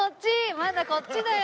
まだこっちだよ。